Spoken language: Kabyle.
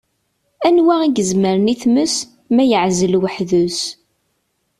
Anwa i yezemren i tmes, ma yeɛzel weḥd-s?